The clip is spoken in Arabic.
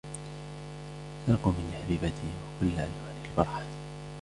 سرقوا مني حبيبتي و كل ألوان الفرحة.